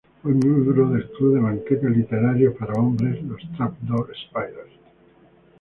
Fue miembro del club de banquetes literarios para hombres, los Trap Door Spiders.